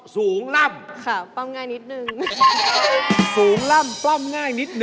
สูงล่ำ